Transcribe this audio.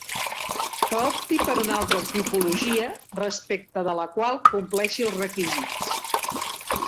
Que opti per una altra tipologia respecte de la qual compleixi els requisits.